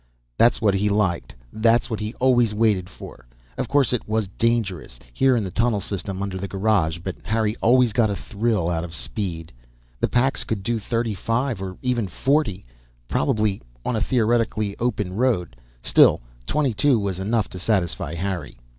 That's what he liked, that's what he always waited for. Of course it was dangerous, here in the tunnel system under the garage, but Harry always got a thrill out of speed. The Pax could do thirty five or even forty, probably, on a theoretical open road. Still, twenty two was enough to satisfy Harry.